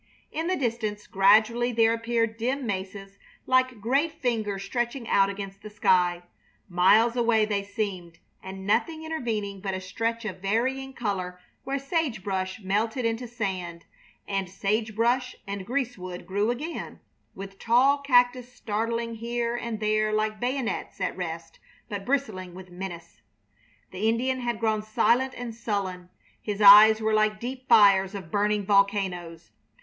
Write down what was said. In the distance gradually there appeared dim mesas like great fingers stretching out against the sky; miles away they seemed, and nothing intervening but a stretch of varying color where sage brush melted into sand, and sage brush and greasewood grew again, with tall cactus startling here and there like bayonets at rest but bristling with menace. The Indian had grown silent and sullen. His eyes were like deep fires of burning volcanoes.